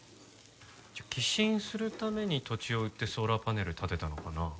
じゃあ寄進するために土地を売ってソーラーパネル立てたのかな？